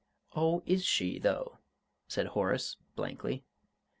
"Oh, is she, though?" said Horace, blankly.